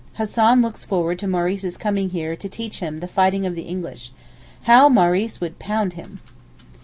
Hassan looks forward to Maurice's coming here to teach him 'the fighting of the English.' How Maurice would pound him!